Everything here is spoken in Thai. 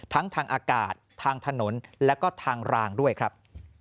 ทั้งทางอากาศทางถนนแล้วก็ทางรางด้วยครับ